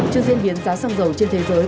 chương diễn biến giá xăng dầu trên thế giới